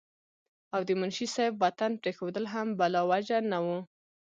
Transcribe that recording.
او د منشي صېب وطن پريښودل هم بلاوجه نه وو